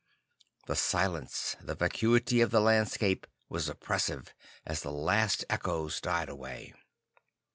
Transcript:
The silence, the vacuity of the landscape, was oppressive, as the last echoes died away.